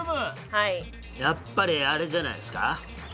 やっぱりあれじゃないですか？